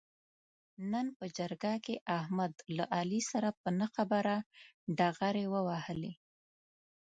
نن په جرګه کې احمد له علي سره په نه خبره ډغرې و وهلې.